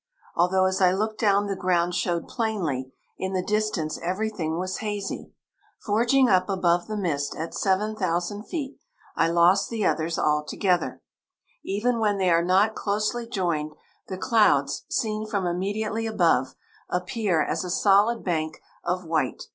Although as I looked down the ground showed plainly, in the distance everything was hazy. Forging up above the mist, at 7,000 feet, I lost the others altogether. Even when they are not closely joined, the clouds, seen from immediately above, appear as a solid bank of white.